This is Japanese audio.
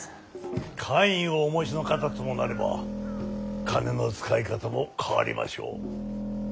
官位をお持ちの方ともなれば金の使い方も変わりましょう。